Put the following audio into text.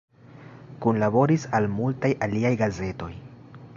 Kunlaboris al multaj aliaj gazetoj.